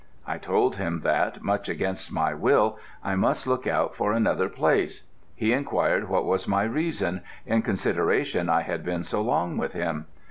I told him that, much against my will, I must look out for another place. He inquired what was my reason, in consideration I had been so long with him.